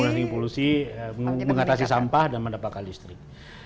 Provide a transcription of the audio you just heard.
mengurangi polusi mengatasi sampah dan mendapatkan listrik